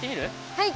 はい。